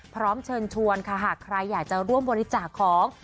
พร้อมเชิญชวนค่ะหากใครอยากจะร่วมบริจาคของ